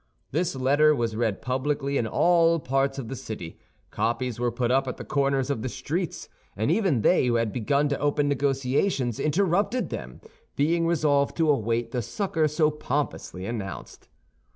This letter was read publicly in all parts of the city. Copies were put up at the corners of the streets; and even they who had begun to open negotiations interrupted them, being resolved to await the succor so pompously announced.